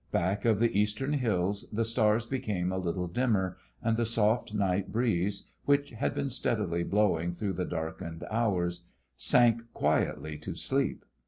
Back of the eastern hills the stars became a little dimmer, and the soft night breeze, which had been steadily blowing through the darkened hours, sank quietly to sleep.